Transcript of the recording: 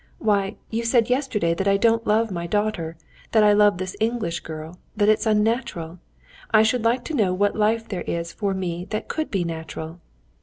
Why, you said yesterday that I don't love my daughter, that I love this English girl, that it's unnatural. I should like to know what life there is for me that could be natural!"